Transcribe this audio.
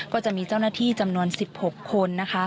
ก็จะมีเจ้าหน้าที่จำนวน๑๖คนนะคะ